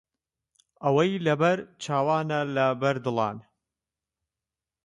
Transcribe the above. ئەوەی لەبەر چاوانە، لەبەر دڵانە